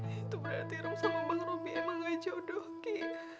itu berarti rum sama bang robi emang gak jodoh ki